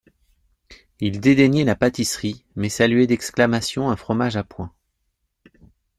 Il dédaignait la pâtisserie, mais saluait d'exclamations un fromage à point.